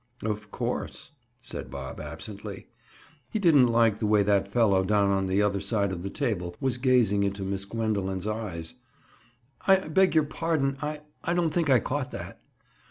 "Of course," said Bob absently. He didn't like the way that fellow down on the other side of the table was gazing into Miss Gwendoline's eyes. "I beg your pardon. I—I don't think I caught that."